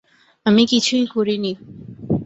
আমি কিছুই করিনি!